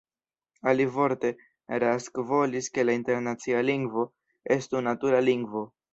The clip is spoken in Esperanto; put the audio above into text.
Alivorte, Rask volis ke la internacia lingvo estu natura lingvo.